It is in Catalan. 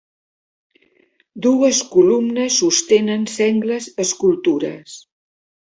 Dues columnes sostenen sengles escultures.